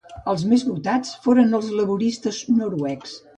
Els més votats foren els laboristes noruecs.